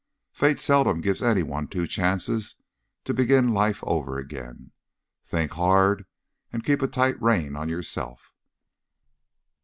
Fate seldom gives any one two chances to begin life over again. Think hard and keep a tight rein on yourself."